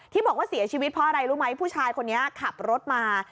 บอกว่าเสียชีวิตเพราะอะไรรู้ไหมผู้ชายคนนี้ขับรถมา